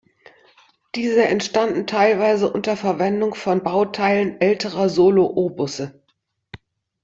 Diese entstanden teilweise unter Verwendung von Bauteilen älterer Solo-O-Busse.